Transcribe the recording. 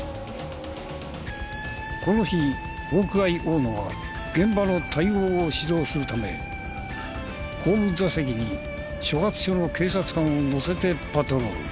この日ホークアイ大野は現場の対応を指導するため後部座席に所轄署の警察官を乗せてパトロール。